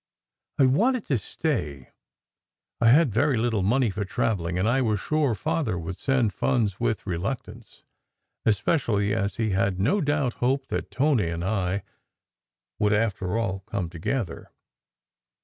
I wanted to stay; I had very little money for travelling, and I was sure Father would send funds with reluctance, especially as he no doubt hoped that Tony and I would after all come together.